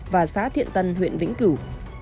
và xá thiện tân huyện vĩnh cửu